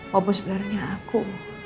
wabuh sebenarnya aku